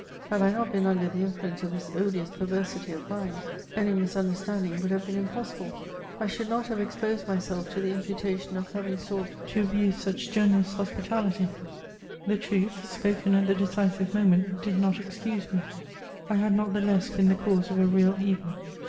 Had I not been under the influence of this odious perversity <^ mind, any misunderstanding would have been impossible ; I should not have exposed myself to the imputation of having sought to abuse such generous CHATEAUBRIAND. 399 hospitality ; the truths spoken at the decisive moment, did not excuse me ; I had not the less heen the cause of a real evil.